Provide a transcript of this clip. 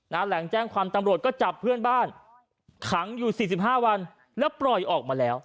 หลังแจ้งความตำรวจก็จับเพื่อนบ้านขังอยู่สี่สิบห้าวันแล้วปล่อยออกมาแล้ว